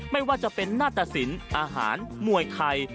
ไม่ว่าจะเป็นหน้าตะสินอาหารมวยไทย